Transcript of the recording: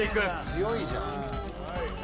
強いじゃん。